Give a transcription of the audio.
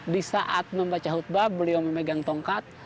di saat membaca khutbah beliau memegang tongkat